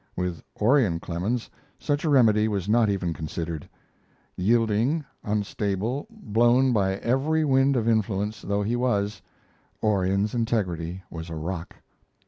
With Orion Clemens such a remedy was not even considered; yielding, unstable, blown by every wind of influence though he was, Orion's integrity was a rock.